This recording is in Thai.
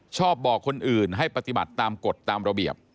บอกคนอื่นให้ปฏิบัติตามกฎตามระเบียบ